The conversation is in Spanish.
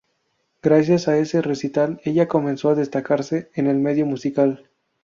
Gracias a este recital ella comenzó a destacarse en el medio musical.